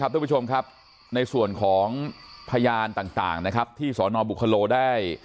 สวัสดีผู้ชมครับในส่วนของพญานต่างนะครับที่ศนบุคโคนโลได้